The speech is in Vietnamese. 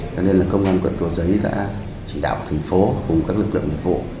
cho nên công an quận cổ giấy đã chỉ đạo thành phố cùng các lực lượng địa phụ